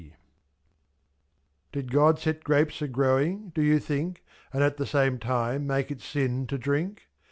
Did God set grapes a growing, do you think. And at the same time make it sin to drink?